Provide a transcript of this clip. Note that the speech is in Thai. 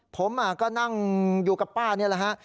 ผมก็นั่งอยู่กับป้านี่แหละฮะ